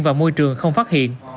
và môi trường không phát hiện